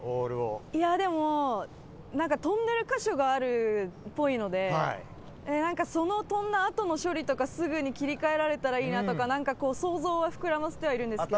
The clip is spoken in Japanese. いや、でもなんか、跳んでる箇所があるので、なんかその跳んだあとの処理とかすぐに切り替えられたらいいなとか、なんか想像は膨らませてはいるんですけど。